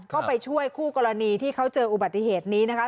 ก็ไปช่วยคู่กรณีที่เขาเจออุบัติเหตุนี้นะคะ